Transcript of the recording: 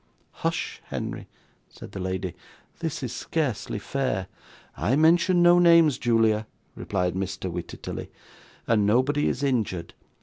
'Hush, Henry,' said the lady; 'this is scarcely fair.' 'I mention no names, Julia,' replied Mr. Wititterly; 'and nobody is injured.